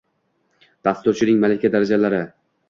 Dasturchining malaka darajalari